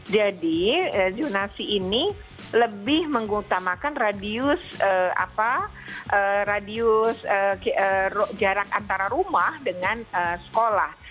jadi zonasi ini lebih mengutamakan radius jarak antara rumah dengan sekolah